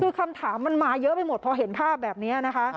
คือคำถามมันมาเยอะไปหมดพอเห็นภาพแบบนี้นะคะ